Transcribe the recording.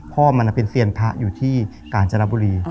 มันเป็นเซียนพระอยู่ที่กาญจนบุรี